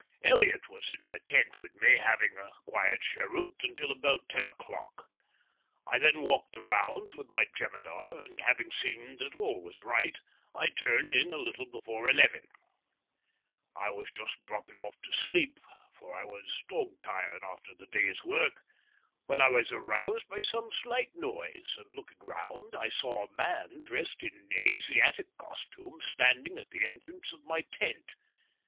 Elliott was in my tent with me having a quiet cheroot until about ten o'clock. I then walked the rounds with my jemidar, and having seen that all was right I turned in a little before eleven. I was just dropping off to sleep, for I was dog tired after the day's work, when I was aroused by some slight noise, and, looking round, I saw a man dressed in Asiatic costume standing at the entrance of my tent.